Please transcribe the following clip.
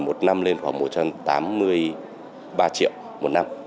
một năm lên khoảng một trăm tám mươi ba triệu một năm